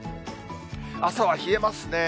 朝は冷えますね。